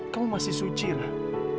kamu masih suci ratu